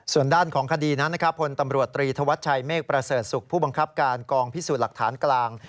ส่วนด้านของคดีนั้นนะครับพลตำรวจตรีธวัชชัยเมฆประเสริฐศุกร์ผู้บังคับการกองพิสูจน์หลักฐานกลาง